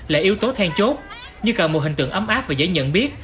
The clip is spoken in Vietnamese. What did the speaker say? là yếu tố then chốt như cần một hình tượng ấm áp và dễ nhận biết